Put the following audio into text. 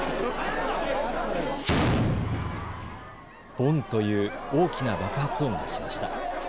ボンという大きな爆発音がしました。